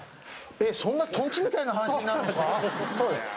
えっそんなとんちみたいな話になるんですか？